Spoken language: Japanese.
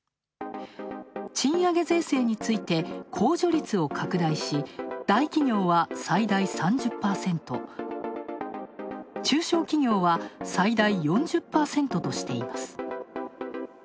賃上げ税制について、控除率を拡大し、大企業は最大３０％、中小企業は最大４０％としています。